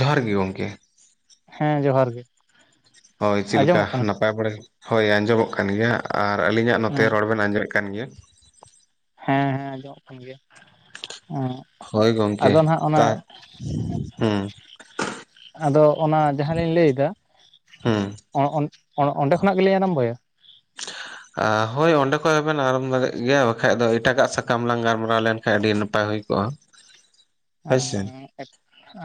ᱡᱚᱦᱟᱨ ᱜᱮ ᱜᱚᱢᱠᱮ ᱦᱮᱸ ᱡᱚᱦᱟᱨ ᱜᱮ ᱦᱳᱭ ᱪᱮᱫ ᱞᱮᱠᱟ ᱟᱸᱡᱚᱢᱚᱜ ᱠᱟᱱᱟ ᱱᱟᱯᱟᱭ ᱵᱟᱲᱟ ᱜᱮ᱾ ᱦᱳᱭ ᱟᱸᱡᱚᱢᱚᱜ ᱠᱟᱱ ᱜᱮᱭᱟ ᱟᱨ ᱟᱹᱞᱤᱧᱟᱜ ᱱᱚᱛᱮ ᱦᱮᱸ ᱨᱚᱲ ᱵᱮᱱ ᱟᱸᱡᱚᱢᱮᱜ ᱠᱟᱱ ᱜᱮᱭᱟ᱾ ᱦᱮᱸ ᱦᱮᱸ ᱟᱸᱡᱚᱢᱚᱜ ᱠᱟᱱ ᱜᱮᱭᱟ ᱦᱮᱸ, ᱦᱳᱭ ᱜᱚᱢᱠᱮ ᱟᱫᱚ ᱱᱟᱦᱟᱜ ᱚᱱᱟ ᱛᱟ ᱦᱩᱸ ᱟᱫᱚ ᱚᱱᱟ ᱡᱟᱦᱟᱸᱞᱤᱧ ᱞᱟᱹᱭ ᱮᱫᱟ ᱦᱩᱸ ᱚ ᱚᱱ ᱚᱸᱰᱮ ᱠᱷᱚᱱᱟᱜ ᱜᱮᱞᱤᱧ ᱟᱨᱟᱢ ᱵᱳᱭᱟ᱾ [inaudible] ᱟ ᱦᱳᱭ ᱚᱸᱰᱮ ᱠᱷᱚᱡ ᱦᱚᱸᱵᱮᱱ ᱟᱨᱟᱢ ᱫᱟᱲᱮᱭᱟᱜ ᱜᱮᱭᱟ ᱵᱟᱠᱷᱟᱡ ᱫᱚ ᱮᱴᱟᱜᱟᱜ ᱥᱟᱠᱟᱢ ᱞᱟᱝ ᱜᱟᱞᱢᱟᱨᱟᱣ ᱞᱮᱱᱠᱷᱟᱱ ᱟᱹᱰᱤ ᱱᱟᱯᱟᱭ ᱦᱩᱭ ᱠᱚᱜᱼᱟ᱾ ᱳ ᱦᱳᱭ ᱥᱮ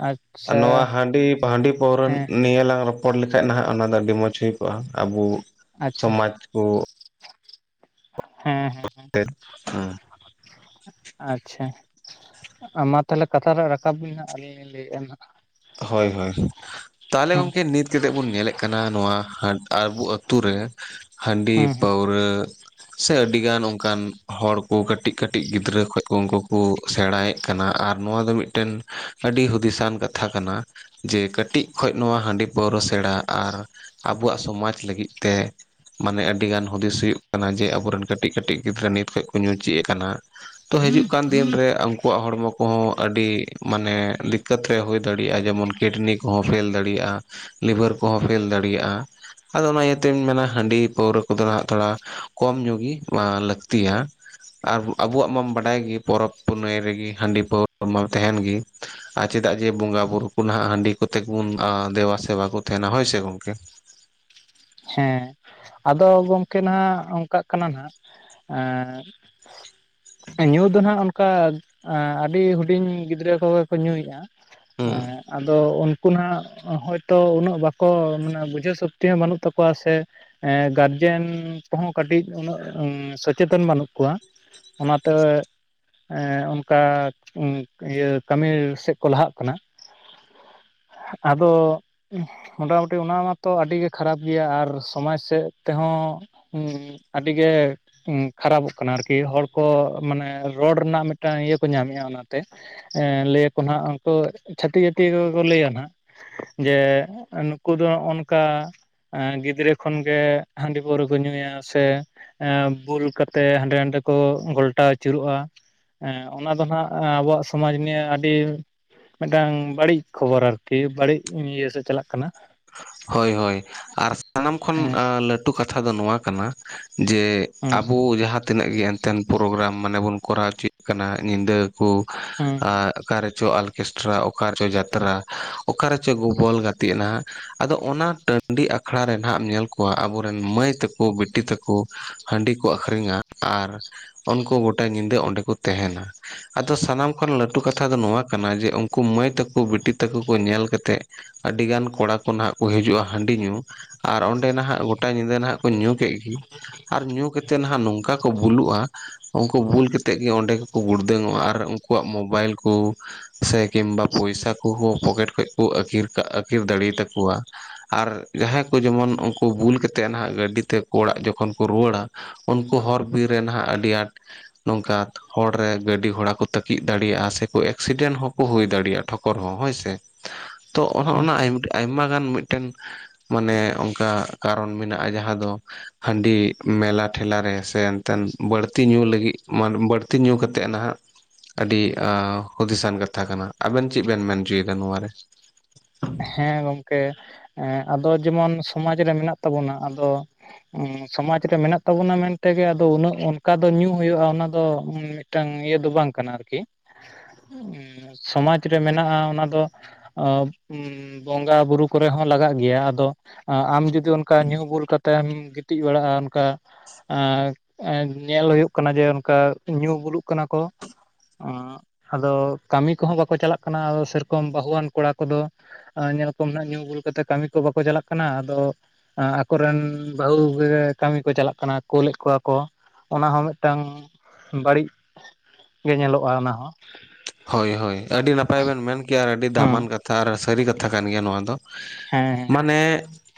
ᱟᱪ ᱟᱪ ᱟᱨ ᱱᱚᱣᱟ ᱦᱟᱺᱰᱤ ᱦᱟᱺᱰᱤ ᱯᱟᱹᱣᱨᱚ ᱱᱤᱭᱟᱹ ᱞᱟᱝ ᱦᱚᱲ ᱞᱮᱠᱟᱱᱡ ᱱᱟᱦᱟᱜ ᱚᱱᱟ ᱫᱚ ᱟᱹᱰᱤ ᱢᱚᱸᱡᱽ ᱦᱩᱭ ᱠᱚᱜᱼᱟ ᱟᱵᱩ ᱟᱪᱪᱷᱟ ᱥᱚᱢᱟᱡᱽ ᱠᱩ ᱦᱮᱸ ᱦᱮᱸ ᱦᱮᱸ ᱟᱪᱪᱷᱟ᱾ ᱢᱟ ᱛᱟᱦᱞᱮ ᱠᱟᱛᱷᱟ ᱨᱮᱭᱟᱜ ᱨᱟᱠᱟᱵ ᱵᱤᱱ ᱦᱟᱸᱜ ᱟᱹᱞᱤᱧ ᱞᱤᱧ ᱞᱟᱹᱭᱮᱫᱼᱟ ᱦᱟᱸᱜ ᱦᱳᱭ ᱦᱳᱭ ᱛᱟᱦᱚᱞᱮ ᱜᱚᱢᱠᱮ ᱱᱤᱛ ᱠᱟᱛᱮᱫ ᱵᱚᱱ ᱧᱮᱞᱮᱫ ᱠᱟᱱᱟ ᱱᱚᱣᱟ ᱟᱵᱚ ᱟᱛᱳ ᱨᱮ ᱦᱟᱺᱰᱤ ᱦᱮᱸ ᱦᱮᱸ ᱯᱟᱹᱣᱨᱟᱹ ᱥᱮ ᱟᱹᱰᱤ ᱜᱟᱱ ᱚᱱᱠᱟᱱ ᱦᱚᱲ ᱠᱚ ᱠᱟᱹᱴᱤᱡ ᱠᱟᱹᱴᱤᱡ ᱜᱤᱫᱽᱨᱟᱹ ᱠᱷᱚᱱ ᱩᱱᱠᱩ ᱠᱚ ᱥᱮᱬᱟᱭ ᱠᱟᱱᱟ ᱟᱨ ᱱᱚᱣᱟ ᱫᱚ ᱢᱤᱫᱴᱮᱱ ᱟᱹᱰᱤ ᱦᱩᱫᱤᱥᱟᱱ ᱠᱟᱛᱷᱟ ᱠᱟᱛᱷᱟ ᱠᱟᱱᱟ ᱡᱮ ᱠᱟᱹᱴᱤᱡ ᱠᱷᱚᱡ ᱱᱚᱣᱟ ᱦᱟᱺᱰᱤ ᱯᱟᱣᱨᱟ ᱥᱮᱬᱟ ᱟᱨ ᱟᱵᱚᱣᱟᱜ ᱥᱚᱢᱟᱡᱽ ᱞᱟᱹᱜᱤᱫ ᱛᱮ ᱢᱟᱱᱮ ᱟᱹᱰᱤ ᱜᱟᱱ ᱦᱩᱫᱤᱥ ᱦᱩᱭᱩᱜ ᱠᱟᱱᱟ ᱡᱮ ᱟᱵᱚᱨᱮᱱ ᱠᱟᱹᱴᱤᱡ ᱠᱟᱹᱴᱤᱡ ᱜᱤᱫᱽᱨᱟᱹ ᱱᱤᱛ ᱠᱷᱚᱱᱚᱡ ᱠᱚ ᱧᱩ ᱪᱮᱫ ᱟᱠᱟᱱᱟ᱾ ᱛᱚ ᱦᱤᱡᱩᱜ ᱠᱟᱱ ᱫᱤᱱᱨᱮ ᱩᱱᱠᱩᱣᱟᱜ ᱦᱚᱲᱢᱚ ᱠᱚᱦᱚᱸ ᱟᱹᱰᱤ ᱢᱟᱱᱮ ᱫᱤᱠᱟ. ᱛ ᱦᱳᱭᱳᱜ ᱦᱳᱭ ᱫᱟᱲᱮᱭᱟᱜᱼᱟ ᱡᱮᱢᱚᱱ ᱠᱤᱰᱱᱤ ᱠᱚᱦᱚᱸ ᱯᱷᱮᱞ ᱫᱟᱲᱮᱭᱟᱜᱼᱟ ᱞᱤᱵᱷᱟᱨ ᱠᱚᱦᱚᱸ ᱯᱷᱮᱞ ᱫᱟᱲᱮᱭᱟᱜᱼᱟ᱾ ᱟᱫᱚ ᱚᱱᱟ ᱤᱭᱟᱹᱛᱤᱧ ᱢᱮᱱᱟ ᱦᱟᱺᱰᱤ ᱯᱟᱹᱣᱨᱟᱹ ᱠᱚᱫᱚ ᱦᱟᱜ ᱛᱷᱚᱲᱟ ᱠᱚᱢ ᱧᱚᱜ ᱜᱮ ᱞᱟᱹᱠᱛᱤᱭᱟ᱾ ᱟᱨ ᱟᱵᱚᱣᱟᱜ ᱢᱟᱢ ᱵᱟᱰᱟᱭ ᱜᱮ ᱯᱚᱨᱚᱵᱽ ᱯᱩᱱᱟᱹᱭ ᱨᱮᱜᱮ ᱦᱟᱺᱰᱤ ᱯᱟᱹᱣᱨᱟᱹ ᱢᱟ ᱛᱟᱦᱮᱸᱱ ᱜᱤ᱾ ᱟᱨ ᱪᱮᱫᱟᱜ ᱡᱮ ᱵᱚᱸᱜᱟ ᱵᱩᱨᱩ ᱠᱚ ᱱᱟᱜ ᱦᱟᱺᱰᱤ ᱠᱚᱛᱮ ᱜᱮᱵᱚᱱ ᱫᱮᱵᱟ ᱥᱮᱵᱟ ᱠᱚ ᱛᱟᱦᱮᱱᱟ ᱦᱳᱭ ᱥᱮ ᱜᱚᱝᱠᱮ᱾ ᱦᱮᱸ ᱟᱫᱚ ᱜᱚᱢᱠᱮ ᱦᱟᱜ ᱚᱱᱠᱟᱜ ᱠᱟᱱᱟ ᱱᱟᱜ ᱧᱩ ᱫᱚ ᱜ ᱚᱱᱠᱟ ᱟᱹᱰᱤ ᱦᱩᱰᱤᱧ ᱜᱤᱫᱽᱨᱟᱹ ᱠᱚᱜᱮ ᱠᱚ ᱧᱩᱭᱮᱫᱼᱟ᱾ ᱦᱩᱸ ᱦᱮᱸ ᱟᱫᱚ ᱩᱱᱠᱩ ᱱᱟᱜ ᱦᱳᱭ ᱛᱚ ᱩᱱᱟᱹᱜ ᱵᱟᱠᱚ ᱢᱟᱱᱮ ᱵᱩᱡᱷᱟᱹᱣ ᱥᱚᱠᱛᱤ ᱦᱚᱸ ᱵᱟᱹᱱᱩᱜ ᱛᱟᱠᱚᱣᱟ ᱥᱮ ᱜᱟᱨᱡᱮᱱ ᱠᱚᱦᱚᱸ ᱠᱟᱹᱴᱤᱡ ᱩᱱᱟᱹᱜ ᱥᱚᱪᱮᱛᱚᱱ ᱵᱟᱹᱱᱩᱜ ᱠᱚᱣᱟ ᱚᱱᱟᱛᱮ ᱚᱱᱠᱟ ᱤᱭᱟᱹ ᱠᱟᱹᱢᱤ ᱥᱮᱫ ᱠᱚ ᱞᱟᱦᱟᱜ ᱠᱟᱱᱟ᱾ ᱟᱫᱚ ᱢᱚᱴᱟᱢᱩᱴᱤ ᱚᱱᱟ ᱢᱟᱛᱚ ᱟᱹᱰᱤ ᱜᱮ ᱠᱷᱟᱨᱟᱯ ᱜᱮᱭᱟ ᱟᱨ ᱥᱚᱢᱟᱡᱽ ᱥᱮᱫ ᱛᱮᱦᱚᱸ ᱟᱹᱰᱤ ᱜᱮ ᱠᱷᱟᱨᱟᱯᱚᱜ ᱠᱟᱱᱟ ᱟᱨᱠᱤ ᱦᱚᱲ ᱠᱚ ᱢᱟᱱᱮ ᱨᱚᱲ ᱨᱮᱱᱟᱜ ᱢᱤᱫᱴᱟᱝ ᱤᱭᱟᱹ ᱠᱚ ᱧᱟᱢᱮᱫᱼᱟ ᱚᱱᱟᱛᱮ ᱞᱟᱹᱭᱟᱠᱚ ᱱᱟᱦᱜ ᱩᱱᱠᱩ ᱪᱷᱟᱹᱛᱤᱠ ᱡᱟᱹᱛᱤ ᱠᱚᱠᱚ ᱞᱟᱹᱭᱟ ᱱᱟᱜ ᱡᱮ ᱱᱩᱠᱩ ᱫᱚ ᱱᱚᱜᱼᱚ ᱱᱚᱝᱠᱟ ᱜᱤᱫᱽᱨᱟᱹ ᱠᱷᱚᱱ ᱜᱮ ᱦᱟᱺᱰᱤ ᱵᱚ ᱨᱩᱜᱩ ᱧᱩᱭᱟ ᱥᱮ ᱮ ᱵᱳᱞ ᱠᱟᱛᱮᱜ ᱦᱟᱸᱰᱮ ᱱᱟᱰᱮ ᱠᱚ ᱜᱷᱟᱞᱴᱟᱣ ᱟᱹᱪᱩᱨᱚᱜᱼᱟ᱾ ᱦᱮᱸ ᱚᱱᱟ ᱫᱚ ᱱᱟᱜ ᱟᱵᱚᱣᱟᱜ ᱥᱚᱢᱟᱡᱽ ᱱᱤᱭᱮ ᱟᱹᱰᱤ ᱢᱤᱫᱴᱟᱝ ᱵᱟᱹᱲᱤᱡ ᱠᱷᱚᱵᱚᱨ ᱟᱨᱠᱤ ᱵᱟᱹᱲᱤᱡ ᱤᱭᱟᱹ ᱥᱮᱫ ᱪᱟᱞᱟᱜ ᱠᱟᱱᱟ ᱦᱳᱭ ᱦᱳᱭ ᱟᱨ ᱥᱟᱱᱟᱢ ᱠᱷᱚᱱ ᱦᱮᱸ ᱞᱟᱹᱴᱩ ᱠᱟᱛᱷᱟ ᱫᱚ ᱱᱚᱣᱟ ᱠᱟᱱᱟ ᱡᱮ ᱦᱩᱸ ᱟᱵᱚ ᱡᱟᱦᱟᱸ ᱛᱤᱱᱟᱹᱜ ᱜᱮ ᱮᱱᱛᱮᱱ ᱯᱨᱳᱜᱨᱟᱢ ᱢᱟᱱᱮ ᱵᱚᱱ ᱠᱚᱨᱟᱣ ᱚᱪᱚᱭᱮᱫ ᱠᱟᱱᱟ ᱧᱤᱫᱟᱹ ᱠᱚ ᱦᱢ ᱾ ᱟᱸ ᱚᱠᱟᱨᱮᱪᱚ ᱚᱨᱠᱮᱥᱴᱨᱟ ᱚᱠᱟᱨᱮᱪᱚ ᱡᱟᱛᱨᱟ ᱚᱠᱟᱨᱮᱪᱚ ᱠᱚᱵᱚᱞ ᱜᱟᱛᱮᱜ ᱱᱟᱜ ᱟᱫᱚ ᱚᱱᱟ ᱴᱟᱺᱰᱤ ᱟᱠᱷᱲᱟ ᱨᱮ ᱱᱟᱜ ᱮᱢ ᱧᱮᱞ ᱠᱚᱣᱟ ᱟᱵᱚᱨᱮᱱ ᱢᱟᱹᱭ ᱛᱮᱠᱚ, ᱵᱤᱴᱤ ᱛᱮᱠᱚ ᱦᱟᱺᱰᱤ ᱠᱚ ᱟᱹᱷᱨᱤᱧᱟ ᱟᱨ ᱩᱱᱠᱩ ᱜᱚᱴᱟ ᱧᱤᱫᱟᱹ ᱚᱸᱰᱮ ᱠᱚ ᱛᱟᱦᱮᱱᱟ ᱟᱫᱚ ᱥᱟᱱᱟᱢ ᱠᱷᱚᱱ ᱞᱟᱹᱴᱩ ᱠᱟᱛᱷᱟ ᱫᱚ ᱱᱚᱶᱟ ᱠᱟᱱᱟ ᱡᱮ ᱩᱱᱠᱩ ᱢᱟᱹᱭ ᱛᱮᱠᱚ ᱵᱤᱴᱤ ᱛᱮᱠᱚ ᱠᱚ ᱧᱮᱞ ᱠᱟᱛᱮᱜ ᱟᱹᱰᱤᱜᱟᱱ ᱠᱚᱲᱟ ᱠᱚ ᱱᱟᱦᱟᱜ ᱠᱚ ᱦᱤᱡᱩᱜᱼᱟ ᱦᱟᱺᱰᱤ ᱧᱩ ᱟᱨ ᱚᱸᱰᱮ ᱱᱟᱦᱟᱜ ᱜᱚᱴᱟ ᱧᱤᱫᱟᱹ ᱱᱟᱦᱟᱜ ᱠᱚ ᱧᱩ ᱠᱮᱫ ᱜᱮ ᱟᱨ ᱧᱩ ᱠᱟᱛᱮᱜ ᱱᱟᱦᱟᱜ ᱱᱚᱝᱠᱟ ᱠᱚ ᱵᱷᱩᱞᱩᱜᱼᱟ ᱩᱱᱠᱩ ᱵᱩᱞ ᱠᱟᱛᱮᱫ ᱜᱮ ᱚᱸᱰᱮ ᱜᱮᱠᱚ ᱜᱩᱲᱫᱟᱹᱝᱚᱜᱼᱟ ᱟᱨ ᱩᱱᱠᱩᱣᱟᱜ ᱢᱳᱵᱟᱭᱤᱞ ᱠᱚ ᱥᱮ ᱠᱤᱢᱵᱟ ᱯᱚᱭᱥᱟ ᱠᱚᱦᱚᱸ ᱯᱚᱠᱮᱴ ᱠᱷᱚᱡ ᱠᱚ ᱟᱹᱠᱨ ᱠᱟᱜ ᱟᱹᱠᱤᱨ ᱫᱟᱲᱮᱛᱟᱠᱚᱣᱟ ᱟᱨ ᱡᱟᱦᱟᱸᱭ ᱠᱚ ᱡᱮᱢᱚᱱ ᱩᱱᱠᱩ ᱵᱩᱞ ᱠᱟᱛᱮᱫ ᱱᱟᱦᱟᱜ ᱜᱟᱹᱰᱤ ᱛᱮ ᱚᱲᱟᱜ ᱡᱚᱠᱷᱚᱱ ᱠᱚ ᱨᱩᱣᱟᱹᱲᱟ ᱩᱱᱠᱩ ᱦᱚᱨ ᱵᱤᱨ ᱨᱮ ᱱᱟᱦᱟᱜ ᱟᱹᱰᱤ ᱟᱸᱴ ᱱᱚᱝᱠᱟ ᱦᱚᱨ ᱨᱮ ᱜᱟᱹᱰᱤ ᱜᱷᱚᱲᱟ ᱠᱚ ᱛᱟᱹᱠᱤᱡ ᱫᱟᱲᱮᱭᱟᱜᱼᱟ ᱥᱮᱠᱚ ᱮᱠᱥᱤᱰᱮᱱᱴ ᱦᱚᱸᱠᱚ ᱦᱩᱭ ᱫᱟᱲᱮᱭᱟᱜᱼᱟ ᱴᱷᱚᱠᱚᱨ ᱦᱚᱸ ᱦᱳᱭᱥᱮ [inaudible] ᱛᱚ ᱚᱱᱮ ᱦᱮᱸ ᱚᱱᱟ ᱟᱭᱢᱟ ᱜᱟᱱ ᱢᱤᱫᱴᱮᱱ ᱢᱟᱱᱮ ᱚᱱᱠᱟ ᱠᱟᱨᱚᱱ ᱢᱮᱱᱟᱜᱼᱟ ᱡᱟᱦᱟᱸ ᱫᱚ ᱦᱟᱺᱰᱤ ᱢᱮᱞᱟ ᱴᱷᱮᱞᱟᱨᱮ ᱥᱮ ᱮᱱᱛᱮᱱ ᱵᱟᱹᱲᱛᱤ ᱧᱩ ᱞᱟᱹᱜᱤᱫ ᱢᱟᱱᱮ ᱵᱟᱹᱲᱛᱤ ᱧᱩ ᱠᱟᱛᱮᱫ ᱱᱟᱦᱟᱜ ᱟᱹᱰᱤ ᱟ ᱦᱩᱫᱤᱥᱟᱱ ᱠᱟᱛᱷᱟ ᱠᱟᱱᱟ ᱟᱹᱵᱮᱱ ᱪᱮᱫ ᱵᱮᱱ ᱢᱮᱱ ᱦᱚᱪᱚᱭᱮᱫᱟ ᱱᱚᱣᱟᱨᱮ? ᱦᱮᱸ ᱜᱚᱝᱠᱮ ᱟᱫᱚ ᱡᱮᱢᱚᱱ ᱥᱚᱢᱟᱡ ᱨᱮ ᱢᱮᱱᱟᱜ ᱛᱟᱵᱚᱱᱟ ᱟᱫᱚ ᱢᱢ ᱥᱚᱢᱟᱡ ᱨᱮ ᱢᱮᱱᱟᱜ ᱛᱟᱵᱚᱱᱟ ᱢᱮᱱᱛᱮᱜᱮ ᱟᱫᱚ ᱩᱱᱟᱹᱜ ᱚᱱᱠᱟ ᱫᱚ ᱧᱩ ᱦᱩᱭᱩᱜᱼᱟ ᱚᱱᱟ ᱫᱚ ᱢᱤᱫᱴᱟᱝ ᱤᱭᱟᱹ ᱫᱚ ᱵᱟᱝ ᱠᱟᱱᱟ ᱟᱨᱠᱤ ᱢᱢ ᱥᱚᱢᱟᱡᱽ ᱨᱮ ᱢᱮᱱᱟᱜᱼᱟ ᱚᱱᱟ ᱫᱚ ᱟ ᱢᱢ ᱵᱚᱸᱜᱟ ᱵᱩᱨᱩ ᱠᱚᱨᱮ ᱦᱚᱸ ᱞᱟᱜᱟᱜ ᱜᱮᱭᱟ ᱟᱫᱚ ᱟᱢ ᱡᱩᱫᱤ ᱡᱩᱫᱤ ᱚᱱᱠᱟ ᱧᱩ ᱵᱩᱞ ᱠᱟᱛᱮᱢ ᱜᱤᱛᱤᱡ ᱵᱟᱲᱟᱜᱼᱟ ᱚᱱᱠᱟ ᱟᱸ ᱟᱸ ᱧᱮᱞ ᱦᱩᱭᱩᱜ ᱠᱟᱱᱟ ᱡᱮ ᱚᱱᱠᱟ ᱧᱩ ᱵᱩᱞᱩᱜ ᱠᱟᱱᱟ ᱠᱚ ᱟᱜ ᱟᱫᱚ ᱠᱟᱹᱢᱤ ᱠᱚᱦᱚᱸ ᱵᱟᱠᱚ ᱪᱟᱞᱟᱜ ᱠᱟᱱᱟ ᱥᱮᱨᱚᱠᱚᱢ ᱵᱟᱹᱩᱣᱟᱱ ᱠᱚᱲᱟ ᱠᱚᱫᱚ ᱧᱮᱞ ᱠᱚᱢᱱᱦᱟᱜ ᱧᱩ ᱵᱩᱞ ᱠᱟᱛᱮᱜ ᱠᱟᱹᱢᱤ ᱠᱚ ᱵᱟᱠᱚ ᱪᱟᱞᱟᱜ ᱠᱟᱱᱟ ᱟᱫᱚ ᱟᱠᱚᱨᱮᱱ ᱵᱟᱹᱦᱩ ᱜᱮ ᱠᱟᱹᱢᱤ ᱠᱚ ᱪᱟᱞᱟᱜ ᱠᱟᱱᱟ ᱠᱩᱞᱮᱫ ᱠᱚᱣᱟ ᱠᱚ ᱚᱱᱟ ᱦᱚᱸ ᱢᱤᱫᱴᱟᱝ ᱵᱟᱹᱲᱤᱡ ᱜᱮ ᱧᱮᱞᱚᱜᱼᱟ ᱚᱱᱟ ᱦᱚᱸ ᱦᱳᱭ ᱦᱳᱭ ᱟᱹᱰᱤ ᱱᱟᱯᱟᱭ ᱵᱮᱱ ᱢᱮᱱ ᱠᱮᱭᱟ ᱟᱨ ᱟᱹᱰᱤ ᱫᱟᱢᱟᱱ ᱦᱮᱸ ᱠᱟᱛᱷᱟ ᱟᱨ ᱥᱟᱹᱨᱤ ᱠᱟᱛᱷᱟ ᱠᱟᱱ ᱜᱮᱭᱟ ᱱᱚᱣᱟ ᱫᱚ ᱦᱮᱸ ᱾ ᱦᱮᱸ ᱢᱟᱱᱮ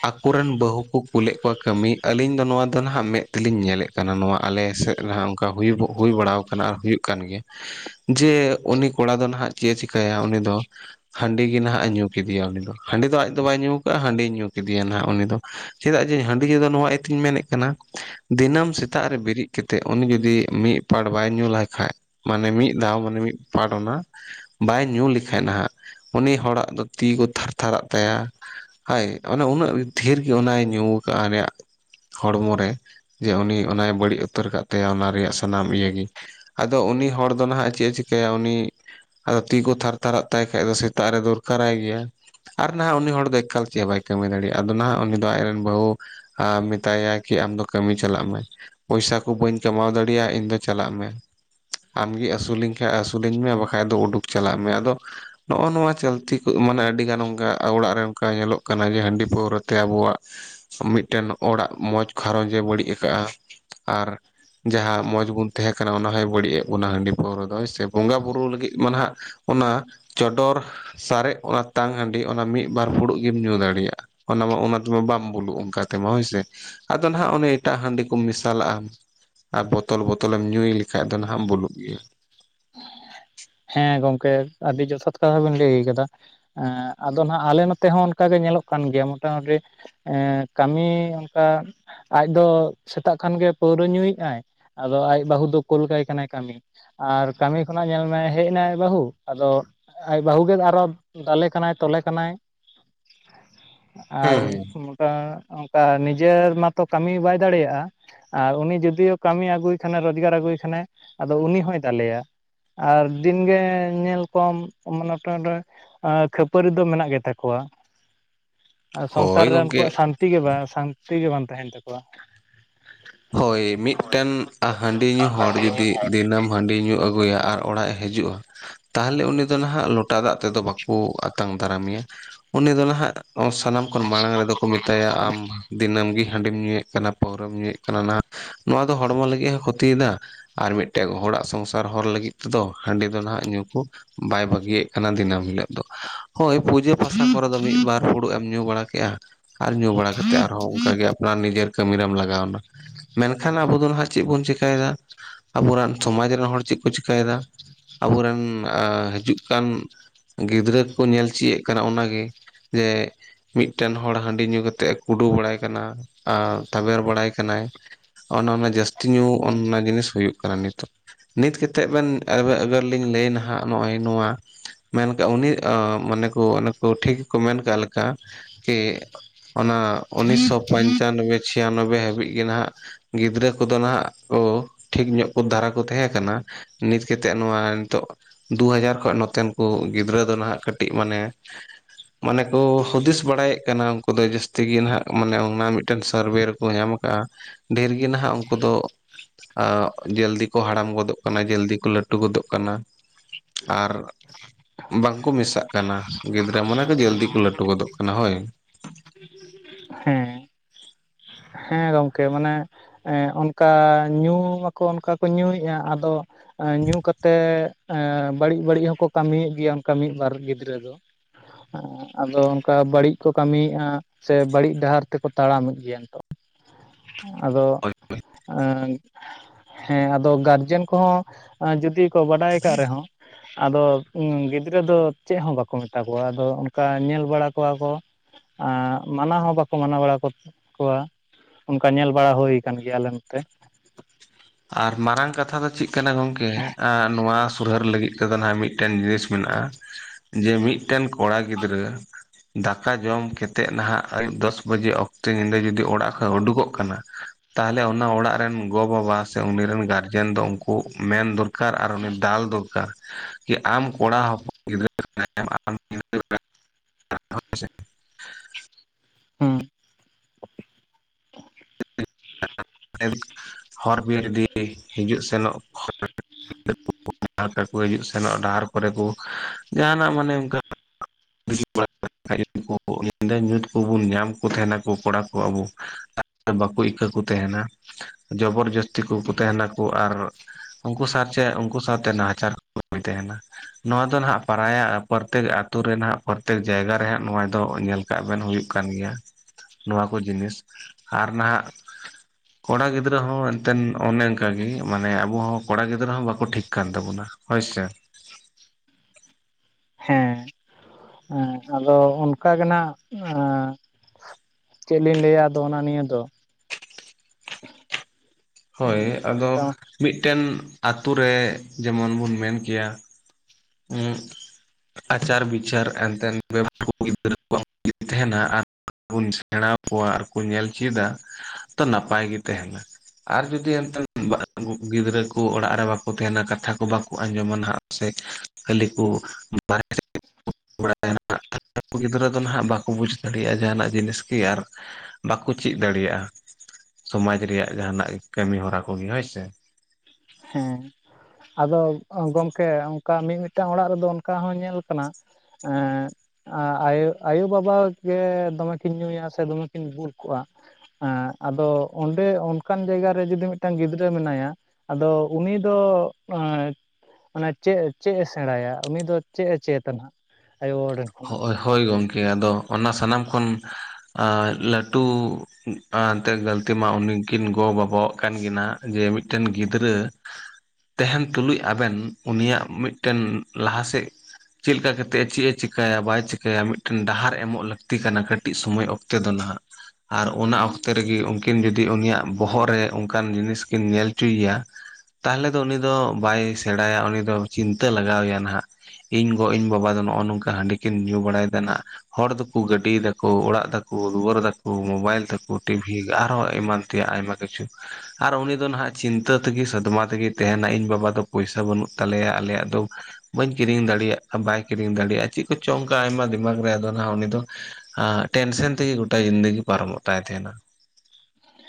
ᱟᱠᱚᱨᱮᱱ ᱵᱟᱹᱦᱩ ᱠᱚ ᱠᱩᱞᱮᱫ ᱠᱚᱣᱟ ᱠᱟᱹᱢᱤ ᱟᱹᱞᱤᱧ ᱫᱚ ᱱᱚᱣᱟ ᱫᱚ ᱱᱟᱦᱟᱜ ᱢᱮᱫ ᱛᱮᱞᱤᱧ ᱧᱮᱞᱮᱫ ᱠᱟᱱᱟ ᱱᱚᱣᱟ ᱟᱞᱮ ᱥᱮᱫ ᱨᱮ ᱚᱱᱠᱟ ᱦᱩᱭᱩ ᱜᱚᱜ ᱦᱩᱭ ᱵᱟᱲᱟᱣ ᱠᱟᱱᱟ ᱟᱨ ᱦᱩᱭᱩᱜ ᱠᱟᱱ ᱜᱮᱭᱟ ᱡᱮ ᱩᱱᱤ ᱠᱚᱲᱟ ᱫᱚ ᱱᱟᱦᱟᱜ ᱪᱮᱫ ᱮ ᱪᱤᱠᱟᱹᱭᱟ ᱩᱱᱤ ᱫᱚ ᱦᱟᱺᱰᱤ ᱜᱮ ᱱᱟᱦᱟᱜ ᱮ ᱧᱩ ᱠᱮᱫᱮᱭᱟ ᱩᱱᱤ ᱫᱚ, ᱦᱟᱺᱰᱤ ᱫᱚ ᱟᱡ ᱫᱚ ᱵᱟᱭ ᱧᱩ ᱠᱟᱜᱼᱟ ᱦᱟᱺᱰᱤ ᱧᱩ ᱠᱮᱫᱮᱭᱟ ᱱᱟᱦᱟᱜ ᱩᱱᱤ ᱫᱚ ᱾ ᱪᱮᱫᱟᱜ ᱡᱮ ᱦᱟᱺᱰᱤ ᱜᱮᱛᱚ ᱱᱚᱣᱟ ᱤᱭᱟᱹᱛᱤᱧ ᱢᱮᱱᱮᱫ ᱠᱟᱱᱟ ᱫᱤᱱᱟᱹᱢ ᱥᱮᱛᱟᱜ ᱨᱮ ᱵᱮᱨᱤᱜ ᱠᱟᱛᱮᱜ ᱩᱱᱤ ᱡᱩᱫᱤ ᱢᱤᱫ ᱯᱟᱲ ᱵᱟᱭ ᱧᱩ ᱞᱟᱭ ᱠᱷᱟᱡ ᱢᱟᱱᱮ ᱢᱤᱫ ᱫᱷᱟᱣ ᱢᱟᱱᱮ ᱢᱤᱫ ᱯᱟᱴ ᱚᱱᱟ ᱵᱟᱭ ᱧᱩ ᱞᱮᱠᱷᱟᱡ ᱱᱟᱦᱟᱸᱜ ᱩᱱᱤ ᱦᱚᱲᱟᱜ ᱫᱚ ᱛᱤ ᱠᱚ ᱛᱷᱟᱨ ᱛᱷᱟᱨᱟᱜ ᱛᱟᱭᱟ ᱦᱳᱭ ᱚᱱᱮ ᱩᱱᱟᱹᱜ ᱰᱷᱮᱨ ᱜᱮ ᱚᱱᱟᱭ ᱧᱩ ᱠᱟᱜᱼᱟ ᱚᱱᱮ ᱦᱚᱲᱢᱚ ᱨᱮ ᱡᱮ ᱩᱱᱤ ᱚᱱᱟᱭ ᱵᱟᱹᱲᱤᱡ ᱩᱛᱟᱹᱨ ᱠᱟᱜ ᱛᱟᱭᱟ ᱚᱱᱟ ᱨᱮᱭᱟᱜ ᱥᱟᱱᱟᱢ ᱤᱭᱟᱹᱜᱤ ᱾ ᱟᱫᱚ ᱩᱱᱤ ᱦᱚᱲ ᱫᱚ ᱱᱟᱦᱟᱜ ᱪᱮᱫ ᱮ ᱪᱤᱠᱟᱹᱭᱟ ᱩᱱᱤ᱾ ᱟᱫᱚ ᱛᱤ ᱠᱚ ᱛᱷᱟᱨ ᱛᱷᱟᱨᱟᱜ ᱛᱟᱭ ᱠᱷᱟᱡ ᱫᱚ ᱥᱮᱛᱟᱜ ᱨᱮ ᱫᱚᱨᱠᱟᱨᱟᱭ ᱜᱮᱭᱟ᱾ ᱟᱨ ᱱᱟᱦᱟᱜ ᱩᱱᱤ ᱦᱚᱲ ᱫᱚ ᱮᱠᱟᱞ ᱪᱮᱫ ᱦᱚ ᱵᱟᱭ ᱠᱟᱹᱢᱤ ᱫᱟᱲᱮᱭᱟᱜᱼᱟ ᱟᱫᱚ ᱱᱟᱦᱟᱜ ᱩᱱᱤ ᱫᱚ ᱟᱡᱨᱮᱱ ᱵᱟᱹᱦᱩ, ᱟᱨ ᱢᱮᱛᱟᱭᱟ ᱠᱤ ᱟᱢ ᱫᱚ ᱠᱟᱹᱢᱤ ᱪᱟᱞᱟᱜ ᱢᱮ? ᱯᱚᱭᱥᱟ ᱠᱚ ᱵᱟᱹᱧ ᱠᱟᱢᱟᱣ ᱫᱟᱲᱤᱭᱟᱜᱼᱟ ᱤᱧ ᱫᱚ ᱪᱟᱞᱟᱜ ᱢᱮ ᱟᱢᱜᱮ ᱟᱹᱥᱩᱞᱤᱧ ᱜᱮ ᱟᱹᱥᱩᱞ ᱤᱧ ᱢᱮ ᱵᱟᱠᱟᱡ ᱫᱚ ᱩᱰᱩᱠ ᱪᱟᱞᱟᱜ ᱢᱮ ᱟᱫᱚ, ᱱᱚᱜᱼᱚ ᱱᱚᱣᱟ ᱪᱚᱞᱛᱤ ᱠᱚ ᱢᱟᱱᱮ ᱟᱹᱰᱤᱜᱟᱱ ᱚᱱᱠᱟ ᱚᱲᱟᱜ ᱨᱮ ᱚᱱᱠᱟ ᱧᱮᱞᱚᱜ ᱠᱟᱱᱟ ᱡᱮ ᱦᱟᱺᱰᱤ ᱯᱟᱹᱣᱨᱟᱹᱛᱮ ᱟᱵᱚᱣᱟᱜ᱾ ᱢᱤᱫᱴᱮᱱ ᱚᱲᱟᱜ ᱢᱚᱸᱡᱽ ᱜᱷᱟᱨᱚᱸᱡᱽ ᱮ ᱵᱟᱹᱲᱤᱡ ᱠᱟᱜᱼᱟ᱾ ᱟᱨ ᱡᱟᱦᱟᱸ ᱢᱚᱸᱡᱽ ᱵᱚᱱ ᱛᱟᱦᱮᱸ ᱠᱟᱱᱟ ᱚᱱᱟᱦᱚᱭ ᱵᱟᱹᱲᱤᱡ ᱮᱫ ᱵᱚᱱᱟ ᱦᱟᱺᱰᱤ ᱯᱟᱹᱣᱨᱟᱹ ᱫᱚ᱾ ᱥᱮ ᱵᱚᱸᱜᱟ ᱵᱩᱨᱩ ᱞᱟᱹᱜᱤᱫ ᱢᱟ ᱱᱟᱦᱟᱜ ᱚᱱᱟ ᱪᱚᱰᱚᱨ, ᱥᱟᱨᱮᱡ ᱚᱱᱟ ᱛᱟᱝ ᱦᱟᱺᱰᱤ ᱚᱱᱟ ᱢᱤᱫᱵᱟᱨ ᱯᱷᱩᱲᱩᱜ ᱜᱮᱢ ᱧᱩ ᱫᱟᱲᱮᱭᱟᱜᱼᱟ᱾ ᱚᱱᱟ ᱢᱟ ᱚᱱᱟ ᱛᱮᱢᱟ ᱵᱟᱢ ᱵᱚᱞᱩᱜ ᱚᱱᱠᱟ ᱛᱮᱢᱟ ᱦᱳᱭᱥᱮ? ᱟᱫᱚ ᱱᱟᱦᱟᱜ ᱚᱱᱮ ᱮᱴᱟᱜ ᱦᱟᱺᱰᱤ ᱠᱚᱢ ᱢᱮᱥᱟᱞᱟᱜᱼᱟ᱾ ᱟᱨ ᱵᱳᱛᱳᱞ ᱵᱳᱛᱳᱞ ᱮᱢ ᱧᱩᱭ ᱞᱮᱠᱷᱟᱡ ᱫᱚ ᱱᱟᱦᱟᱜ ᱮᱢ ᱵᱩᱞᱩᱜ ᱜᱮᱭᱟ᱾ ᱦᱮᱸ ᱜᱚᱝᱠᱮ ᱟᱹᱰᱤ ᱡᱚᱛᱷᱟᱛ ᱠᱟᱛᱷᱟ ᱵᱮᱱ ᱞᱟᱹᱭ ᱠᱟᱫᱟ᱾ ᱮ ᱟᱫᱚ ᱱᱟᱜ ᱟᱞᱮ ᱱᱚᱛᱮ ᱦᱚᱸ ᱚᱱᱠᱟ ᱜᱮ ᱧᱮᱞᱚᱜ ᱠᱟᱱ ᱜᱮᱭᱟ ᱢᱚᱴᱟᱢᱩᱴᱤ, ᱮᱸ ᱠᱟᱹᱢᱤ ᱚᱱᱠᱟ ᱟᱡ ᱫᱚ ᱥᱮᱛᱟᱜ ᱠᱷᱟᱱᱜᱮ ᱯᱟᱹᱣᱨᱟᱹ ᱧᱩᱭᱮᱜᱟᱭ ᱟᱫᱚ ᱟᱡ ᱵᱟᱹᱦᱩ ᱫᱚ ᱠᱳᱞ ᱠᱟᱭ ᱠᱟᱱᱟᱭ ᱠᱟᱹᱢᱤ᱾ ᱟᱨ ᱠᱟᱹᱢᱤ ᱠᱷᱚᱱᱟᱜ ᱧᱮᱞ ᱢᱮ ᱦᱮᱡ ᱱᱟᱭ ᱟᱡ ᱵᱟᱹᱦᱩ ᱟᱫᱚ ᱟᱡ ᱵᱟᱹᱦᱩ ᱜᱮ ᱟᱨᱦᱚ ᱫᱟᱞᱮ ᱠᱟᱱᱟᱭ ᱛᱚᱞᱮ ᱠᱟᱱᱟᱭ᱾ ᱟᱨ, ᱦᱩᱸ ᱚᱱᱠᱟ ᱱᱤᱡᱮᱨ ᱢᱟᱛᱚ ᱠᱟᱹᱢᱤ ᱵᱟᱭ ᱫᱟᱲᱮᱭᱟᱜᱼᱟ᱾ ᱟᱨ ᱩᱱᱤ ᱡᱫᱤᱭᱳ ᱠᱟᱹᱢᱤ ᱟᱹᱜᱩᱭ ᱠᱷᱟᱱᱮ ᱨᱳᱡᱽᱜᱟᱨ ᱟᱹᱜᱩᱭ ᱠᱷᱟᱱᱮ ᱟᱫᱚ ᱩᱱᱤ ᱦᱚᱭ ᱫᱟᱞᱮᱭᱟ᱾ ᱟᱨ, ᱫᱤᱱ ᱜᱮ ᱧᱮᱞ ᱠᱚᱢ ᱢᱟᱱᱮ [unintelligible] ᱮᱸ ᱠᱷᱟᱹᱯᱟᱹᱨᱤ ᱫᱚ ᱢᱮᱱᱟᱜ ᱜᱮᱛᱟ ᱠᱚᱣᱟ᱾ ᱟᱨ ᱦᱳᱭ ᱥᱚᱝᱥᱟᱨ ᱨᱮ ᱜᱚᱝᱠᱮ ᱩᱱᱠᱩᱣᱟᱜ ᱥᱟᱱᱛᱤ ᱜᱮ ᱵᱟ ᱥᱟᱱᱛᱤ ᱜᱮ ᱵᱟᱝ ᱛᱟᱦᱮᱱ ᱛᱟᱠᱚᱣᱟ᱾ ᱦᱳᱭ ᱢᱤᱫᱴᱮᱱ ᱦᱟᱺᱰᱤ ᱧᱩ ᱦᱚᱲ ᱡᱩᱫᱤ ᱫᱤᱱᱟᱹᱢ, ᱦᱟᱺᱰᱤ ᱧᱩ ᱟᱹᱜᱩᱭᱟ ᱟᱨ ᱚᱲᱟᱜ ᱮ ᱦᱤᱡᱩᱜᱼᱟ᱾ ᱛᱟᱦᱮᱞᱮ ᱩᱱᱤ ᱫᱚ ᱱᱟᱦᱟᱜ ᱞᱚᱴᱟ ᱫᱟᱜ ᱛᱮᱫᱚ ᱵᱟᱠᱚ ᱟᱛᱟᱝ ᱫᱟᱨᱟᱢᱮᱭᱟ ᱩᱱᱤ ᱫᱚ ᱱᱟᱦᱟᱜ ᱥᱟᱱᱟᱢ ᱠᱷᱚᱱ ᱢᱟᱲᱟᱝ ᱨᱮᱫᱚ ᱠᱚ ᱢᱮᱛᱟᱭᱟ ᱟᱢ ᱫᱤᱱᱟᱹᱢ ᱜᱮ ᱦᱟᱺᱰᱤᱢ ᱧᱩᱭᱮᱫ ᱠᱟᱱᱟ ᱯᱟᱹᱣᱨᱟᱹᱢ ᱧᱩᱭᱮᱫ ᱠᱟᱱᱟ ᱱᱚᱣᱟ ᱫᱚ ᱦᱚᱲᱢᱚ ᱞᱟᱹᱜᱤᱫ ᱦᱚᱭ ᱠᱷᱚᱛᱤᱭᱫᱟ᱾ ᱟᱨ ᱢᱤᱫᱴᱮᱡ ᱦᱚᱲᱟᱜ ᱥᱚᱝᱥᱟᱨ ᱦᱚᱨ ᱞᱟᱹᱜᱤᱫ ᱛᱮᱫᱚ ᱦᱟᱺᱰᱤ ᱫᱚ ᱱᱟᱦᱟᱜ ᱧᱩ ᱠᱚ, ᱵᱟᱭ ᱵᱟᱹᱜᱤᱭᱮᱫ ᱠᱟᱱᱟ ᱫᱤᱱᱟᱹᱢ ᱦᱤᱞᱳᱜ ᱫᱚ ᱦᱚᱭ ᱯᱩᱡᱟᱹ ᱯᱟᱥᱟ ᱠᱚᱨᱮ ᱫᱚ ᱢᱤᱫ ᱵᱟᱨ ᱯᱷᱩᱲᱩᱜ ᱮᱢ ᱧᱩ ᱵᱟᱲᱟ ᱠᱮᱫᱼᱟ ᱟᱨ ᱧᱩ ᱵᱟᱲᱟ ᱠᱟᱛᱮᱫ ᱟᱨᱦᱚᱸ ᱚᱱᱠᱟ ᱜᱮ ᱟᱯᱱᱟᱨ ᱱᱤᱡᱮᱨ, ᱠᱟᱹᱢᱤ ᱨᱮᱢ ᱞᱟᱜᱟᱣᱱᱟ ᱢᱮᱱᱠᱷᱟᱱ ᱟᱵᱚ ᱫᱚ ᱱᱟᱦᱟᱜ ᱪᱮᱫ ᱵᱚᱱ ᱪᱤᱠᱟᱭ ᱫᱟ? ᱟᱵᱚᱨᱮᱱ ᱥᱚᱢᱟᱡᱽ ᱨᱮᱱ ᱦᱚᱲ ᱪᱮᱫ ᱠᱚ ᱪᱤᱠᱟᱭᱫᱟ ᱟᱵᱚᱨᱮᱱ ᱮᱸ ᱦᱤᱡᱩᱜ ᱠᱟᱱ ᱜᱤᱫᱽᱨᱟᱹ ᱠᱚ ᱧᱮᱞ ᱪᱤᱭᱟᱹᱜ ᱠᱟᱱᱟ ᱚᱱᱟᱜᱮ ᱡᱮ, ᱢᱤᱫᱴᱮᱱ ᱦᱚᱲ ᱦᱟᱺᱰᱤ ᱧᱩ ᱠᱟᱛᱮᱜ ᱮ ᱠᱩᱰᱩ ᱵᱟᱲᱟᱭ ᱠᱟᱱᱟ ᱟᱨ ᱛᱟᱵᱮᱨ ᱵᱟᱲᱟᱭ ᱠᱟᱱᱟᱭ ᱚᱱᱮ ᱚᱱᱟ ᱡᱟᱹᱥᱛᱤ ᱧᱩ ᱚᱱᱟ ᱡᱤᱱᱤᱥ ᱦᱩᱭᱩᱜ ᱠᱟᱱᱟ ᱱᱤᱛᱚᱜ᱾ ᱱᱤᱛ ᱠᱟᱛᱮᱫ ᱵᱮᱱ [unintelligible] ᱞᱤᱧ ᱞᱟᱹᱭ ᱟ ᱦᱟᱸᱜ ᱱᱚᱜᱼᱚᱭ ᱱᱚᱣᱟ, ᱢᱮᱱ ᱠᱟᱜ ᱩᱱᱤ ᱢᱟᱱᱮ ᱠᱚ ᱚᱱᱟ ᱠᱚ ᱴᱷᱤᱠ ᱜᱮ ᱠᱚ ᱢᱮᱱ ᱠᱟᱜ ᱞᱮᱠᱟ ᱪᱮ, ᱚᱱᱟ ᱩᱱᱤᱥᱥᱚ ᱯᱚᱱᱪᱟᱱᱳᱵᱳᱭ ᱪᱷᱤᱭᱟᱱᱳᱵᱳᱭ ᱦᱟ. ᱵᱤᱡ, ᱜᱮ ᱱᱟᱦ ᱜᱤᱫᱽᱨᱟᱹ ᱠᱚᱫᱚ ᱱᱟᱦᱟᱜ ᱠᱚ ᱴᱷᱤᱠ ᱧᱚᱜ ᱠᱚ ᱫᱟᱨᱟ ᱠᱚ ᱛᱟᱦᱮᱸ ᱠᱟᱱᱟ᱾ ᱱᱤᱛ ᱠᱟᱛᱮᱜ ᱱᱚᱣᱟ ᱱᱤᱛᱚᱜ, ᱫᱩ ᱦᱟᱡᱟᱨ ᱠᱷᱚᱡ ᱱᱚᱛᱮᱱ ᱠᱚ ᱜᱤᱫᱽᱨᱟᱹ ᱫᱚ ᱱᱟᱦᱟᱜ ᱠᱟᱹᱴᱤᱡ ᱢᱟᱱᱮ, ᱢᱟᱱᱮ ᱠᱚ ᱦᱩᱫᱤᱥ ᱵᱟᱲᱟᱭᱮᱫ ᱠᱟᱱᱟ ᱩᱱᱠᱩ ᱫᱚ ᱡᱟᱹᱥᱛᱤ ᱜᱮ ᱱᱟᱦᱟᱜ ᱢᱟᱱᱮ ᱚᱱᱟ ᱢᱤᱫᱴᱮᱱ ᱥᱟᱨᱵᱷᱮ ᱨᱮᱠᱚ ᱧᱟᱢ ᱠᱟᱜᱼᱟ ᱰᱷᱮᱨ ᱜᱮ ᱱᱟᱦᱟᱜ ᱩᱱᱠᱩ ᱫᱚ ᱟᱜ ᱡᱟ. ᱞᱫᱤ ᱠᱚ ᱦᱟᱲᱟᱢ ᱜᱚᱫᱚᱜ ᱠᱟᱱᱟ ᱡᱟ. ᱞᱫᱤ ᱠᱚ ᱞᱟᱹᱴᱩ ᱜᱚᱫᱚᱜ ᱠᱟᱱᱟ᱾ ᱟᱨᱼᱼ ᱵᱟᱝᱼᱠᱚ ᱢᱮᱥᱟᱜ ᱠᱟᱱᱟ ᱜᱤᱫᱽᱨᱟᱹ ᱢᱟᱱᱮ ᱠᱚ ᱡᱟᱞᱫᱤ ᱠᱚ ᱞᱟᱹᱴᱩ ᱜᱚᱫᱚᱜ ᱠᱟᱱᱟ ᱦᱳᱭ [inaudible] ᱦᱮᱸ ᱦᱮᱸ ᱜᱚᱝᱼᱠᱮ ᱢᱟᱱᱮ ᱮ ᱚᱱᱠᱟ ᱧᱩ ᱢᱟᱠᱚ ᱚᱱᱠᱟ ᱠᱚ ᱧᱩᱭᱮᱫᱼᱟ ᱟᱫᱚ ᱮ ᱧᱩ ᱠᱟᱛᱮᱜ ᱮ ᱵᱟᱹᱲᱤᱡ ᱵᱟᱹᱲᱤᱡ ᱦᱚᱸᱠᱚ ᱠᱟᱹᱢᱤᱭᱮᱫ ᱜᱮᱭᱟ ᱚᱱᱠᱟ ᱢᱤᱫᱵᱟᱨ ᱜᱤᱫᱽᱨᱟᱹ ᱫᱚ [unintelligible] ᱟᱫᱚ ᱚᱱᱠᱟ ᱵᱟᱹᱲᱤᱡ ᱠᱚ ᱠᱟᱹᱢᱤᱭᱮᱫᱼᱟ ᱥᱮ ᱵᱟᱹᱲᱤᱡ ᱰᱟᱦᱟᱨ ᱛᱮᱠᱚ ᱛᱟᱲᱟᱢᱮᱫ ᱜᱮᱭᱟ ᱱᱤᱛᱚᱜ᱾ ᱟᱫᱚ ᱮᱫᱸ ᱦᱮᱸ ᱟᱫᱚ ᱜᱟᱨᱡᱮᱱ ᱠᱚᱦᱚᱸ ᱡᱩᱫᱤ ᱠᱚ ᱵᱟᱰᱟᱭ ᱠᱟᱜ ᱨᱮᱦᱚᱸ ᱟᱫᱚ ᱜᱤᱫᱽᱨᱟᱹ ᱫᱚ ᱪᱮᱫ ᱦᱚᱸ ᱵᱟᱠᱚ ᱢᱮᱛᱟ ᱠᱚᱣᱟ ᱟᱫᱚ ᱚᱱᱠᱟ ᱧᱮᱞ ᱵᱟᱲᱟ ᱠᱚᱣᱟ ᱠᱚ᱾ ᱟᱸᱜ ᱢᱟᱱᱟ ᱦᱚᱸ ᱵᱟᱠᱚ ᱢᱟᱱᱟ ᱵᱟᱲᱟ ᱠᱚᱣᱟ᱾ ᱚᱱᱠᱟ ᱧᱮᱞ ᱵᱟᱲᱟ ᱦᱩᱭ ᱠᱟᱱ ᱜᱮᱭ ᱟᱞᱮ ᱱᱚᱛᱮ ᱟᱨ ᱢᱟᱨᱟᱝ ᱠᱟᱛᱷᱟ ᱫᱚ ᱪᱮᱫ ᱠᱟᱱᱟ ᱜᱚᱝᱠᱮ ᱮ ᱱᱚᱣᱟ ᱥᱩᱫᱟᱹᱨ ᱞᱟᱹᱜᱤᱫᱼᱼ ᱛᱮᱫᱚ ᱱᱟᱜ ᱢᱤᱫᱴᱮᱱ ᱡᱤᱱᱤᱥ ᱢᱮᱱᱟᱜᱼᱟ ᱡᱮ ᱢᱤᱫᱴᱮᱱ ᱠᱚᱲᱟ ᱜᱤᱫᱽᱨᱟᱹ ᱫᱟᱠᱟ ᱡᱚᱢ ᱠᱮᱛᱮᱫ ᱱᱟᱦᱟᱜ ᱟᱹᱭᱩᱵ ᱫᱚᱥ ᱵᱟᱡᱮ ᱚᱠᱛᱮ ᱧᱤᱫᱟᱹ ᱡᱩᱫᱤ ᱚᱲᱟᱜ ᱠᱷᱚᱡ ᱮ ᱩᱰᱩᱠᱚᱜ ᱠᱟᱱᱟ᱾ ᱛᱟᱦᱚᱞᱮ ᱚᱱᱟ ᱚᱲᱟᱜ ᱨᱮᱱ ᱜᱚ ᱵᱟᱵᱟ ᱥᱮ ᱩᱱ ᱨᱮᱱ ᱜᱟᱨᱡᱮᱱ ᱫᱚ ᱩᱱᱠᱩ ᱢᱮᱱ ᱫᱚᱨᱠᱟᱨ ᱟᱨ ᱩᱱᱤ ᱫᱟᱞ ᱫᱚᱨᱠᱟᱨ ᱠᱤ ᱟᱢ ᱠᱚᱲᱟ ᱦᱚᱯᱚᱱ ᱜᱤᱫᱽᱨᱟᱹ ᱠᱟᱱᱟᱭ [unintelligible] ᱦᱩᱸ [unintelligible] ᱦᱚᱨ ᱵᱤᱨᱫᱮ ᱦᱤᱡᱩᱜ ᱥᱮᱱᱚᱜ [unintelligible] [unintelligible] ᱦᱤᱡᱩᱜ ᱥᱮᱱᱚᱜ ᱰᱟᱦᱟᱨ ᱠᱚᱨᱮ ᱠᱚ ᱡᱟᱦᱟᱱᱟᱜ ᱢᱟᱱᱮ ᱚᱱᱠᱟᱼᱼ [unintelligible] ᱧᱤᱫᱟᱹ ᱧᱩᱛ ᱠᱚᱵᱚᱱ ᱧᱟᱢ ᱠᱚ ᱛᱟᱦᱮᱱᱟᱠᱚ ᱠᱚᱲᱟ ᱠᱚ ᱟᱵᱚ᱾ ᱟᱨ ᱵᱟᱠᱚ ᱤᱠᱟᱹ ᱠᱚ ᱛᱟᱦᱮᱱᱟ ᱡᱚᱵᱚᱨᱡᱚᱥᱛᱤ ᱠᱚᱠᱚ ᱛᱟᱦᱮ ᱱᱟᱠᱚ ᱟᱨ ᱩᱱᱠᱩ ᱥᱟᱶ ᱪᱮᱫ ᱩᱱᱠᱩ ᱥᱟᱶᱛᱮ ᱱᱟᱦᱟᱪᱟᱨ ᱠᱚ ᱛᱟᱦᱮᱱᱟ᱾ ᱱᱚᱣᱟ ᱫᱚ ᱱᱟᱦᱜ ᱯᱟᱨᱟᱭᱟ ᱯᱨᱚᱛᱮᱠ ᱟᱛ ᱨᱮ ᱱᱷᱟᱜ ᱯᱨᱚᱛᱮᱠ ᱡᱟᱭᱜᱟᱨᱮ ᱦᱟᱸᱜ ᱱᱚᱣᱟ ᱫᱚ ᱧᱮᱞ ᱠᱟᱜ ᱵᱮᱱ ᱦᱩᱭᱩᱜ ᱠᱟᱱ ᱜᱮᱭᱟ᱾ ᱱᱚᱣᱟ ᱠᱚ ᱡᱤᱱᱤᱥ ᱟᱨ ᱱᱟᱦᱟᱜ [inaudible] ᱠᱚᱲᱟ ᱜᱤᱫᱽᱨᱟᱹ ᱦᱚᱸ ᱮᱱᱛᱮᱱ ᱚᱱᱮ ᱚᱱᱠᱟ ᱜᱮ, ᱢᱟᱱᱮ ᱟᱵᱚ ᱦᱚᱸ ᱠᱚᱲᱟ ᱜᱤᱫᱽᱨᱟᱹ ᱦᱚᱸ ᱵᱟᱠᱚ ᱴᱷᱤᱠ ᱠᱟᱱ ᱛᱟᱵᱚᱱᱟ, ᱦᱳᱭ ᱥᱮ᱾ ᱦᱮᱸ [unintelligible] ᱟᱫᱚ ᱚᱱᱠᱟ ᱜᱮ ᱱᱟᱷᱜ ᱮᱸ ᱪᱮᱫ ᱞᱤᱧ ᱞᱟᱹᱭᱟ ᱟᱫᱚ ᱚᱱᱟ ᱱᱤᱭᱮ ᱫᱚ᱾ ᱦᱳᱭ ᱟᱫᱚ, ᱢᱤᱫ ᱴᱮᱱ ᱟᱛᱳ ᱨᱮ ᱡᱮᱢᱚᱱ ᱵᱚᱱ ᱢᱮᱱ ᱠᱮᱭᱟ ᱩᱸᱜ ᱟᱪᱟᱨ ᱵᱤᱪᱟᱨ ᱮᱱ [inaudible] [inaudible] ᱛᱟᱦᱮᱱᱟ ᱟᱨ [inaudible] ᱵᱚᱱ ᱥᱮᱬᱟ ᱟᱠᱚᱣᱟ ᱟᱨ ᱠᱚ ᱧᱮᱞ ᱪᱮᱫᱟ ᱛᱚ ᱱᱟᱯᱟᱭ ᱜᱮ ᱛᱟᱦᱮᱱᱟ᱾ ᱟᱨ ᱡᱩᱫᱤ [inaudible] ᱜᱤᱫᱽᱨᱟᱹ ᱠᱚ ᱚᱲᱟᱜ ᱨᱮ ᱵᱟᱠᱚ ᱛᱟᱦᱮᱱᱟ ᱠᱟᱛᱷᱟ ᱠᱚ ᱵᱟᱠᱚ ᱟᱸᱡᱚᱢᱟ ᱱᱟᱦᱟᱜ᱾ ᱥᱮ ᱠᱷᱟᱹᱞᱤ ᱠᱚ [inaudible] [inaudible] ᱜᱤᱫᱽᱨᱟᱹ ᱫᱚ ᱦᱟᱜ ᱵᱟᱠᱚ ᱵᱩᱡᱽ ᱫᱟᱲᱮᱭᱟᱜᱼᱟ ᱡᱟᱦᱟ ᱱᱟᱜ ᱡᱤᱱᱤᱥ ᱜᱮ ᱟᱨ ᱵᱟᱠᱚ ᱪᱮᱫ ᱫᱟᱲᱮᱭᱟᱜᱼᱟ ᱥᱚᱢᱟᱡ ᱨᱮᱭᱟᱜ ᱡᱟᱦᱟᱱᱟᱜ ᱠᱟᱹᱢᱤᱦᱚᱨᱟ ᱠᱚᱜᱮ, ᱦᱳᱭᱥᱮ᱾ ᱦᱮᱸᱻ ᱟᱫᱚ ᱚ ᱜᱚᱝᱠᱮ, ᱚᱝᱠᱟ ᱢᱤᱜ ᱢᱤᱜ-ᱢᱤᱜᱴᱟᱝ ᱦᱚᱲᱟᱜ ᱨᱳᱠ ᱫᱚ ᱚᱝᱠᱟ ᱦᱚᱸ ᱧᱮᱞ ᱠᱟᱱᱟ ᱮᱸ ᱟᱸ ᱟᱭᱳ, ᱟᱭᱳᱼᱵᱟᱵᱟ ᱜᱮ ᱫᱚᱢᱮ ᱠᱤᱱ ᱧᱩᱭᱟ ᱥᱮ ᱫᱚᱢᱮ ᱠᱤᱱ ᱵᱩᱞ ᱠᱚᱜᱼᱟ᱾ ᱮᱸ ᱟᱫᱚ ᱚᱸᱰᱮ ᱚᱱᱠᱟᱱ ᱡᱟᱭᱜᱟ ᱨᱮ ᱡᱩᱫᱤ ᱢᱤᱫᱴᱟᱝ ᱜᱤᱫᱽᱨᱟᱹ ᱢᱮᱱᱟᱭᱟ ᱟᱫᱚ ᱩᱱᱤ ᱫᱚ ᱮᱸ ᱚᱱᱟ ᱪᱮᱜ ᱪᱮᱜ ᱮ ᱥᱮᱸᱬᱟᱭᱟ ᱩᱱᱤ ᱫᱚ ᱪᱮᱜ ᱮ ᱪᱮᱫᱟ ᱟᱭᱳ-ᱵᱟᱵᱟ ᱴᱷᱮᱱ? ᱦᱳᱭ ᱦᱳᱭ ᱜᱚᱝᱠᱮ ᱟᱫᱚ ᱚᱱᱟ ᱥᱟᱱᱟᱢ ᱠᱷᱚᱱ ᱟᱨ ᱞᱟᱹᱴᱩ [unintelligible] ᱢᱟ ᱩᱱᱤ ᱠᱤᱱ ᱜᱚ ᱵᱟᱵᱟᱣᱟᱜ ᱠᱟᱱ ᱜᱤᱱ ᱱᱟᱦᱟᱜ ᱡᱮ ᱢᱤᱫᱴᱮᱱ ᱜᱤᱫᱽᱨᱟᱹ ᱛᱮᱦᱮᱱ ᱛᱩᱞᱩᱡ ᱟᱵᱮᱱ ᱩᱱᱤᱭᱟᱜ ᱢᱤᱫᱴᱮᱱ ᱞᱟᱦᱟ ᱥᱮᱜ ᱪᱤᱞᱠᱟ ᱠᱟᱛᱮᱜ ᱮ ᱪᱤᱜ ᱮ ᱪᱤᱠ ᱠᱷᱮ ᱵᱟᱭ ᱪᱤᱠᱟᱹᱭᱟ ᱢᱤᱫᱴᱮᱱ ᱰᱟᱦᱟᱨ ᱮᱢᱚᱜ ᱞᱟᱹᱠᱛᱤ ᱠᱟᱱᱟ ᱠᱟᱹᱴᱤᱡ ᱥᱚᱢᱚᱭ ᱚᱠᱛᱮ ᱫᱚ ᱱᱟᱦᱟᱜ ᱟᱨ ᱚᱱᱟ ᱚᱠᱛᱮ ᱨᱮᱜᱮ ᱩᱱᱠᱤᱱ ᱡᱚᱫᱤ ᱩᱱᱤᱭᱟᱜ ᱵᱚᱦᱚᱜ ᱨᱮ ᱚᱱᱠᱟᱱ ᱡᱤᱱᱤᱥ ᱠᱤᱱ ᱧᱮᱞ ᱪᱩᱭ ᱭᱟ ᱛᱟᱦᱞᱮ ᱫᱚ ᱩᱱᱤ ᱫᱚ ᱵᱟᱭ ᱥᱮᱬᱟᱭᱟ, ᱩᱱᱤ ᱫᱚ ᱪᱤᱱᱛᱟᱹ ᱞᱟᱜᱟᱣᱟᱭᱟ ᱱᱟᱦᱟᱜ᱾ ᱤᱧ ᱜᱚ ᱤᱧ ᱵᱟᱵᱟ ᱫᱚ ᱱᱚᱜᱚ ᱱᱚᱝᱠᱟ ᱦᱟᱹᱰᱤ ᱠᱤᱱ ᱧᱩ ᱵᱟᱲᱟᱭᱮᱫᱟ ᱱᱟᱦᱟᱜ ᱦᱚᱲ ᱫᱚᱠᱚ ᱜᱟᱹᱰᱤᱭ ᱫᱟᱠᱚ, ᱚᱲᱟᱜ ᱫᱟᱠᱩ, ᱫᱩᱣᱟᱹᱨ ᱫᱟᱠᱩ, ᱢᱚᱵᱟᱭᱤᱞ ᱫᱟᱠᱩ, ᱴᱤᱵᱷᱤ ᱟᱨᱦᱚᱸ ᱮᱢᱟᱱ ᱛᱮ ᱟᱭᱢᱟ ᱠᱤᱪᱷᱩ ᱟᱨ ᱩᱱᱤ ᱫᱚ ᱱᱟᱦᱟᱜ ᱪᱤᱱᱛᱟᱹ ᱛᱮᱜᱤ ᱥᱟᱫᱢᱟ ᱛᱮᱜᱤ ᱛᱮᱦᱮᱱᱟ ᱤᱧ ᱵᱟᱵᱟ ᱫᱚ ᱯᱚᱭᱥᱟ ᱵᱟᱹᱱᱩᱜ ᱛᱟᱞᱮᱭᱟ ᱟᱞᱮᱭᱟᱜ ᱫᱚ ᱵᱟᱹᱧ ᱠᱤᱨᱤᱧ ᱫᱟᱲᱤᱭᱟᱜ ᱵᱟᱭ ᱠᱤᱨᱤᱧ ᱫᱟᱲᱤᱭᱟᱜᱼᱟ ᱪᱤᱜ ᱠᱚᱪᱚ ᱚᱝᱠᱟ ᱟᱭᱢᱟ ᱫᱤᱢᱟᱠ ᱨᱮ ᱟᱫᱚ ᱱᱟᱦᱜ ᱩᱱᱤ ᱫᱚ ᱟᱸ ᱴᱮᱱᱥᱮᱱ ᱛᱮᱜᱤ ᱜᱚᱴᱟ ᱡᱤᱱᱫᱹᱜᱤ ᱯᱟᱨᱚᱢᱚᱜ ᱛᱟᱭ ᱛᱮᱦᱮᱱᱟ᱾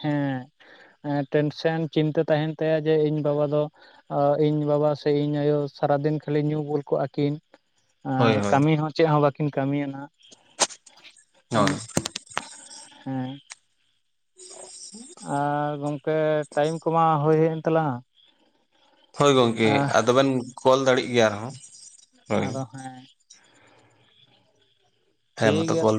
ᱦᱮᱸ ᱴᱮᱱᱥᱮᱱ ᱪᱤᱱᱛᱟᱹ ᱛᱟᱦᱮᱱ ᱛᱟᱭᱟ ᱡᱮ ᱤᱧ ᱵᱟᱵᱟ ᱫᱚ ᱟᱨ ᱤᱧ ᱵᱟᱵᱟ ᱥᱮ ᱤᱧ ᱟᱭᱳ ᱥᱟᱨᱟᱫᱤᱱ ᱠᱷᱟᱹᱞᱤ ᱧᱩ ᱵᱩᱞ ᱠᱚᱜᱟ ᱠᱤᱱ ᱦᱳᱭ ᱟᱨ ᱦᱳᱭ ᱠᱟᱢᱤ ᱦᱚᱸ ᱪᱮᱜ ᱦᱚᱸ ᱵᱟᱹᱠᱤᱱ ᱠᱟᱹᱢᱤᱭᱟ ᱱᱟᱦᱟᱜ ᱦᱮᱸ᱾ ᱦᱳᱭ [unintelligible] ᱟᱨ ᱜᱚᱝᱠᱮ ᱴᱟᱭᱤᱢ ᱠᱚᱢᱟ ᱦᱳᱭᱦᱮᱜ ᱮᱱ ᱛᱟᱞᱟᱝᱟ᱾ ᱦᱳᱭ ᱜᱚᱝᱠᱮ ᱟᱫᱚᱵᱮᱱ ᱠᱚᱞ ᱫᱟᱲᱤᱜ ᱜᱮᱭᱟ ᱟᱨᱦᱚᱸ᱾ ᱦᱳᱭ ᱟᱫᱚ ᱦᱮᱸ ᱴᱟᱭᱤᱢ ᱴᱷᱤᱠ ᱢᱚᱛᱚ ᱜᱮᱭᱟ᱾ ᱠᱚᱞ